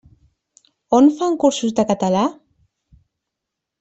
On fan cursos de català?